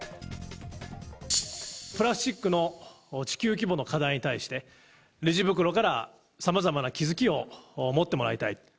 プラスチックの地球規模の課題に対して、レジ袋からさまざまな気付きを持ってもらいたい。